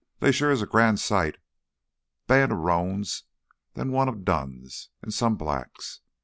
They sure is a grand sight: band o' roans, then one o' duns, an' some blacks.